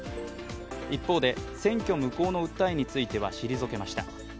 一方で、選挙無効の訴えについては退けました。